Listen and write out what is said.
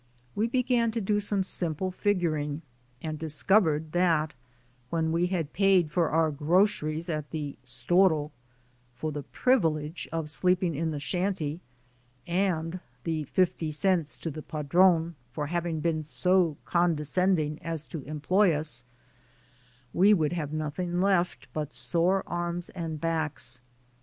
We began to do some simple figuring and discovered that when we had paid for our groceries at the "storo," for the privilege of sleeping in the shanty, and the fifty cents to the "padrone" for having been so condescending as to employ us, we would have nothing left but sore arms and backs.